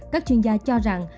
các chuyên gia cho rằng